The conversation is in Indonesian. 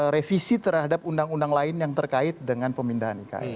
revisi terhadap undang undang lain yang terkait dengan pemindahan ikn